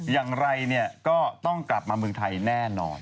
อย่างไรก็ต้องกลับมาเมืองไทยแน่นอน